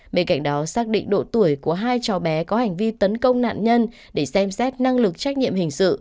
bên cạnh đó xác định độ tuổi của hai trò bé có hành vi tấn công nạn nhân để xem xét năng lực trách nhiệm hình sự